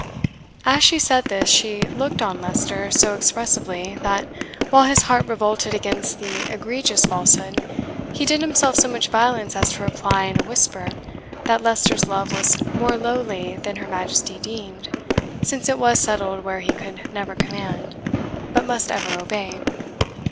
As she said this, she looked on Leicester so expressively that, while his heart revolted against the egregious falsehood, he did himself so much violence as to reply in a whisper that Leicester's love was more lowly than her Majesty deemed, since it was settled where he could never command, but must ever obey.